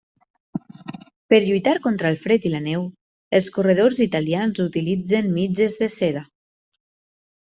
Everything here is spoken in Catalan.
Per lluitar contra el fred i la neu, els corredors italians utilitzen mitges de seda.